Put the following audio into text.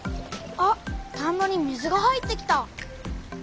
あ田んぼに水が入ってきた。